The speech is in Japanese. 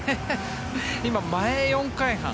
今、前４回半。